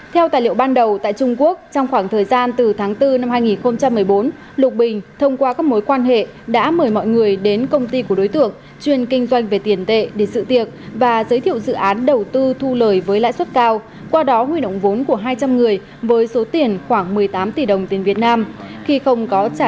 theo tài liệu ban đầu tại trung quốc trong khoảng thời gian từ tháng bốn năm hai nghìn một mươi bốn lục bình thông qua các mối quan hệ đã mời mọi người đến công ty của đối tượng chuyên kinh doanh về tiền tệ để sự tiệc và giới thiệu dự án đầu tư thu lời với lãi suất cao qua đó huy động vốn của hai trăm linh người với số tiền khoảng một mươi tám tỷ đồng tiền việt nam